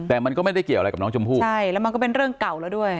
แต่มันก็ไม่ได้เกี่ยวอะไรกับน้องชมพู่ใช่แล้วมันก็เป็นเรื่องเก่าแล้วด้วย